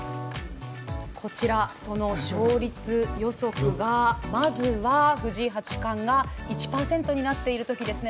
その勝率予測がまずは藤井八冠が１％になっているときですね。